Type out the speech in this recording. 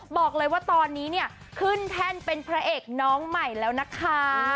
บอกเลยว่าตอนนี้เนี่ยขึ้นแท่นเป็นพระเอกน้องใหม่แล้วนะคะ